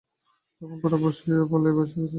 তখন পুরা বর্ষায় পল্লী ভাসিয়া গেছে।